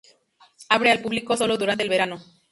Abre al público sólo durante el verano.